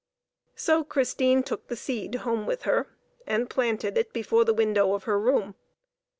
So Christine took the seed home with her, and planted it before the window of her room.